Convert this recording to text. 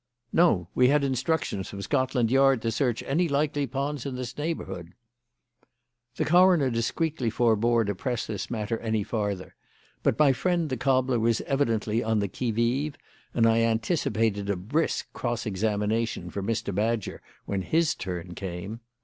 "No. We had instructions from Scotland Yard to search any likely ponds in this neighbourhood." The coroner discreetly forbore to press this matter any farther, but my friend the cobbler was evidently on the qui vive, and I anticipated a brisk cross examination for Mr. Badger when his turn came.